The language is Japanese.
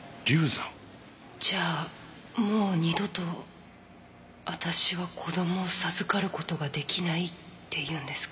じゃあもう二度と私は子供を授かる事が出来ないっていうんですか？